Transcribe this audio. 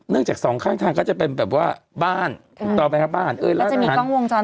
เนื่องจากสองข้างทางก็จะเป็นแบบว่าบ้านต่อไปกับบ้านแล้วจะมีกล้องวงจรปิด